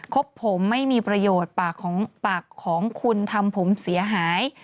ครบผมไม่มีประโยชน์ปากของคุณทำผมเสียหาย